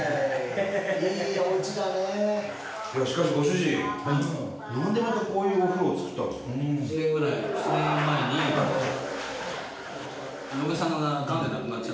しかしご主人何でまたこういうお風呂を作ったんですか？